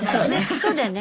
そうだよね